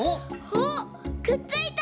おっくっついた！